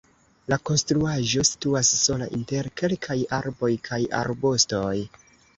La konstruaĵo situas sola inter kelkaj arboj kaj arbustoj.